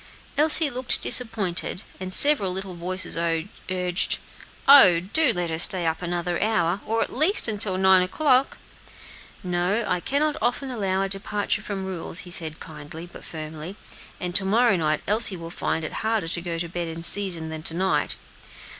Elsie looked disappointed, and several little voices urged, "Oh, do let her stay up another hour, or at least till nine o'clock." "No; I cannot often allow a departure from rules," he said kindly, but firmly; "and to morrow night Elsie will find it harder to go to bed in season than to night.